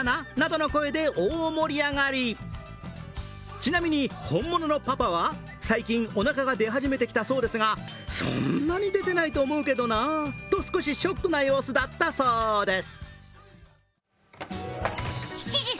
ちなみに、本物のパパは、最近おなかが出始めてきたそうですが、そんあに出てないと思うけどなぁとちょっとショックな様子だったそうです。